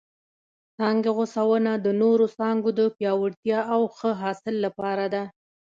څانګې غوڅونه د نورو څانګو د پیاوړتیا او ښه حاصل لپاره ده.